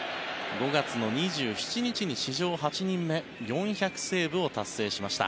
５月の２７日に史上８人目４００セーブを達成しました。